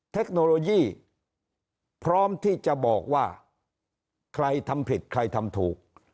เทคโนโลยีพร้อมที่จะบอกว่าใครทำผิดใครทำถูก